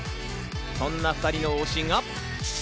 そんな２人の推しが。